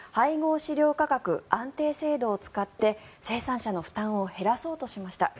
飼料価格安定制度を使って生産者の負担を減らそうとしました。